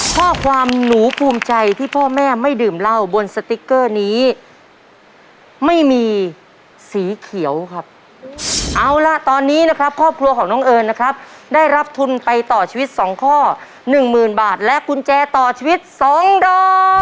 ข้อความหนูภูมิใจที่พ่อแม่ไม่ดื่มเหล้าบนสติ๊กเกอร์นี้ไม่มีสีเขียวครับเอาล่ะตอนนี้นะครับครอบครัวของน้องเอิญนะครับได้รับทุนไปต่อชีวิตสองข้อหนึ่งหมื่นบาทและกุญแจต่อชีวิตสองดอก